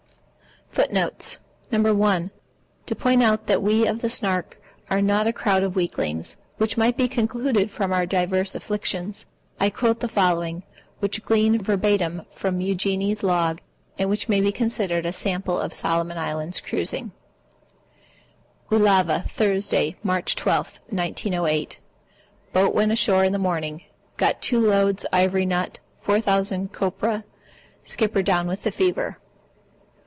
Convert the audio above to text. FOOTNOTES To point out that we of the Snark are not a crowd of weaklings, which might be concluded from our divers afflictions, I quote the following, which I gleaned verbatim from the Eugenie's log and which may be considered as a sample of Solomon Islands cruising: Ulava, Thursday, March 12, 1908. Boat went ashore in the morning. Got two loads ivory nut, 4000 copra. Skipper down with fever.